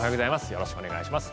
よろしくお願いします。